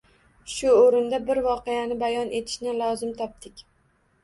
Shu oʻrinda bir voqeani bayon etishni lozim topdik